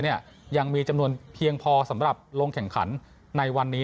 ยังมีจำนวนเพียงพอสำหรับลงแข่งขันในวันนี้